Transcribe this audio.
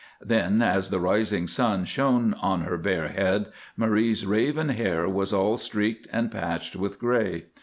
Then as the rising sun shone on her bare head, Marie's raven hair was all streaked and patched with grey.